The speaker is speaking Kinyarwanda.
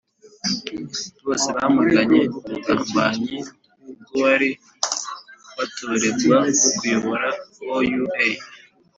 bose bamaganye ubugambanyi bw'uwari watorerw kuyobora oua.